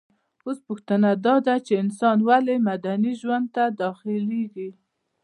اوس پوښتنه داده چي انسان ولي مدني ژوند ته داخليږي؟